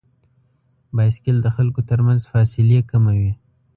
بایسکل د خلکو تر منځ فاصلې کموي.